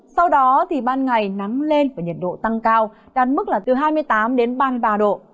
sau đó thì ban ngày nắng lên và nhiệt độ tăng cao đạt mức là từ hai mươi tám đến ba mươi ba độ